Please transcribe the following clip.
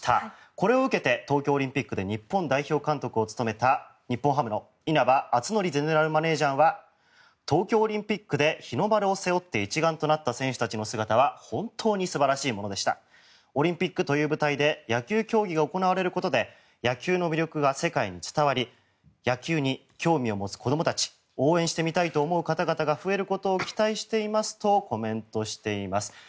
これを受けて東京オリンピックで日本代表監督を務めた日本ハムの稲葉篤紀ゼネラルマネジャーは東京オリンピックで日の丸を背負って一丸となった選手たちの姿は本当に素晴らしいものでしたオリンピックという舞台で野球競技が行われることで野球の魅力が世界に伝わり野球に興味を持つ子どもたち応援してみたいと思う方々が増えることを期待していますとコメントしています。